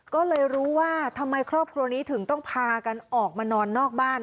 ก็เลยรู้ว่าทำไมครอบครัวนี้ถึงต้องพากันออกมานอนนอกบ้าน